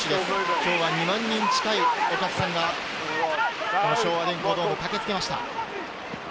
今日は２万人近いお客さんが昭和電工ドームに駆けつけました。